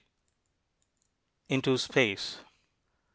INTO SPACE.